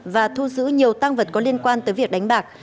và thu giữ nhiều tăng vật có liên quan tới việc đánh bạc